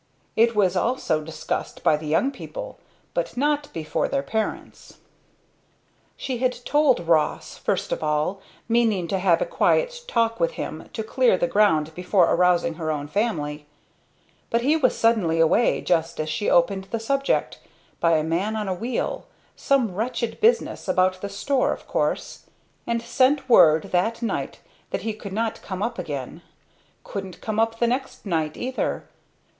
It was also discussed by the young people, but not before their parents. She had told Ross, first of all, meaning to have a quiet talk with him to clear the ground before arousing her own family; but he was suddenly away just as she opened the subject, by a man on a wheel some wretched business about the store of course and sent word that night that he could not come up again. Couldn't come up the next night either.